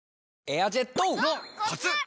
エアジェットォ！のコツ！